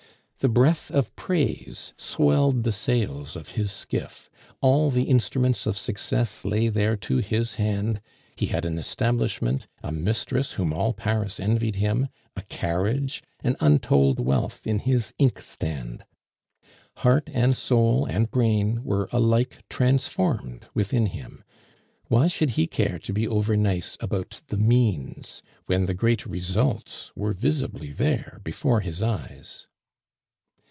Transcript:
The breath of praise swelled the sails of his skiff; all the instruments of success lay there to his hand; he had an establishment, a mistress whom all Paris envied him, a carriage, and untold wealth in his inkstand. Heart and soul and brain were alike transformed within him; why should he care to be over nice about the means, when the great results were visibly there before his eyes.